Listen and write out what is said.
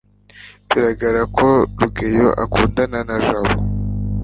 biragaragara ko rugeyo akundana na jabo